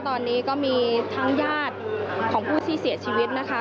ตอนนี้ก็มีทั้งญาติของผู้ที่เสียชีวิตนะคะ